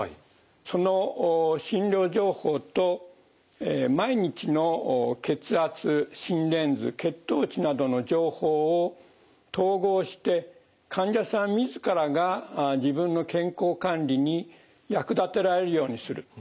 その診療情報と毎日の血圧心電図血糖値などの情報を統合して患者さん自らが自分の健康管理に役立てられるようにする。